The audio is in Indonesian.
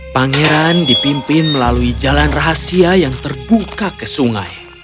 pangeran dipimpin melalui jalan rahasia yang terbuka ke sungai